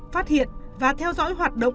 phát hiện và theo dõi hoạt động